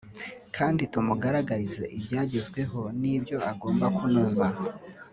kandi tumugaragarize ibyagezweho n’ibyo agomba kunoza